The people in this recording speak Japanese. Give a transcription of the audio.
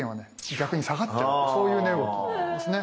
逆に下がっちゃうってそういう値動きなんですね。